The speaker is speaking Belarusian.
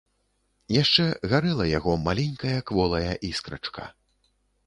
Яшчэ гарэла яго маленькая кволая іскрачка.